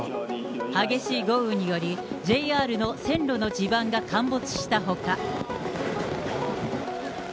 激しい豪雨により、ＪＲの線路の地盤が陥没したほか。